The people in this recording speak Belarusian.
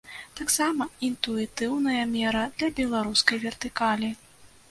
Таксама інтуітыўная мера для беларускай вертыкалі.